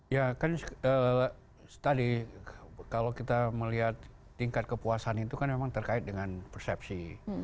ya kan tadi kalau kita melihat tingkat kepuasan itu kan memang terkait dengan persepsi